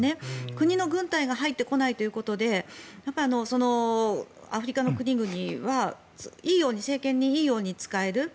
国の軍隊が入ってこないということでアフリカの国々は政権にいいように使える。